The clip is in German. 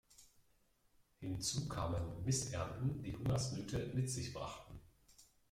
Hinzu kamen Missernten, die Hungersnöte mit sich brachten.